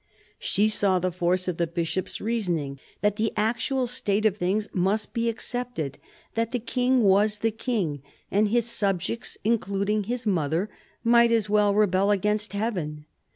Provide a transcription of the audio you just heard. She saw the force of the Bishop's reasoning — that the actual state of things must be accepted — that the King was the King, and his subjects, including his mother, might as well rebel against Heaven.